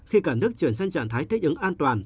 khi cả nước chuyển sang trạng thái thích ứng an toàn